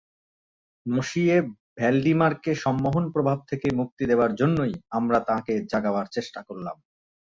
মঁশিয়ে ভ্যালডিমারকে সম্মোহন প্রভাব থেকে মুক্তি দেবার জন্যেই আমরা তাঁকে জাগাবার চেষ্টা করলাম।